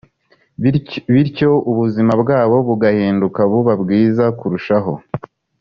bityo ubuzima bwabo bugahinduka buba bwiza kurushaho